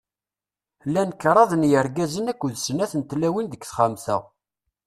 Llan kraḍ n yirgazen akked d snat n tlawin deg texxamt-a.